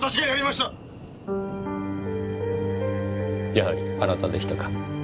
やはりあなたでしたか。